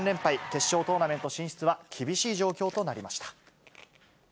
決勝トーナメント進出は厳しい状況となりました。